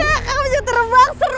yaa kamu juga terbang seru